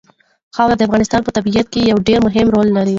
خاوره د افغانستان په طبیعت کې یو ډېر مهم رول لري.